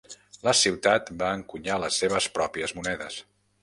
La ciutat va encunyar les seves pròpies monedes.